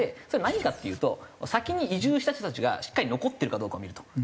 それは何かっていうと先に移住した人たちがしっかり残ってるかどうかを見ると。